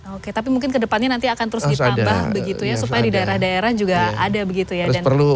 oke tapi mungkin kedepannya nanti akan terus ditambah begitu ya supaya di daerah daerah juga ada begitu ya